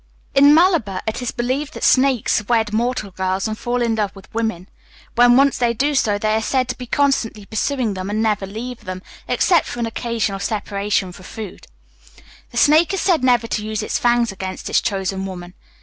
In Malabar, it is believed that snakes wed mortal girls, and fall in love with women. When once they do so, they are said to be constantly pursuing them, and never to leave them, except for an occasional separation for food. The snake is said never to use its fangs against its chosen woman.